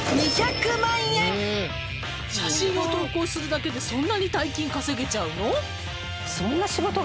「写真を投稿するだけでそんなに大金稼げちゃうの？」